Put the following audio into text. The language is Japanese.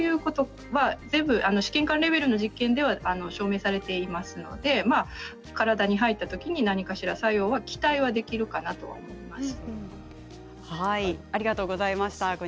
試験管レベルの実験では証明されていますので体に入ったときに何かしら作用は期待できるかなと思います。